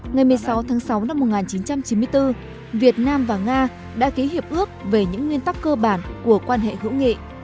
ngày một mươi sáu tháng sáu năm một nghìn chín trăm chín mươi bốn việt nam và nga đã ký hiệp ước về những nguyên tắc cơ bản của quan hệ hữu nghị